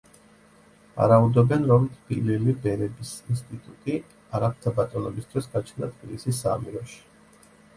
ვარაუდობენ, რომ თბილელი ბერების ინსტიტუტი არაბთა ბატონობის დროს გაჩნდა თბილისის საამიროში.